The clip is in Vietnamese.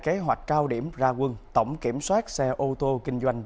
kế hoạch cao điểm ra quân tổng kiểm soát xe ô tô kinh doanh